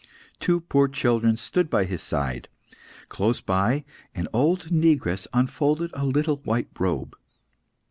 Two poor children stood by his side. Close by, an old negress unfolded a little white robe.